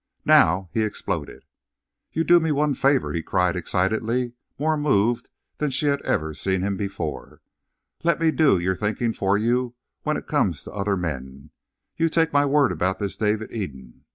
Now he exploded. "You do me one favor," he cried excitedly, more moved than she had ever seen him before. "Let me do your thinking for you when it comes to other men. You take my word about this David Eden.